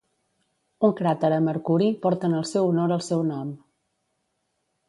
Un cràter a Mercuri porta en el seu honor el seu nom.